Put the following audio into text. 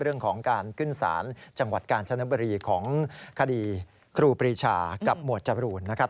เรื่องของการขึ้นศาลจังหวัดกาญจนบุรีของคดีครูปรีชากับหมวดจรูนนะครับ